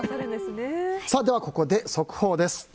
ここで速報です。